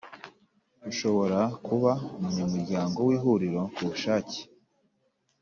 ushobora kuba umunyamuryango w Ihuriro kubushake